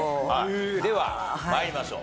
では参りましょう。